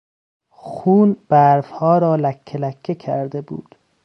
خون برفها را لکهلکه کرده بود.